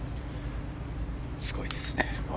すごいですね。